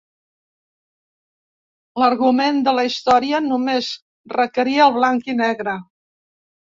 L'argument de la història només requeria el blanc-i-negre.